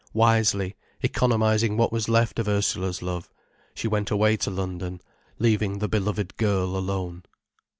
Wisely, economizing what was left of Ursula's love, she went away to London, leaving the beloved girl alone.